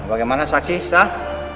bagaimana saksi sah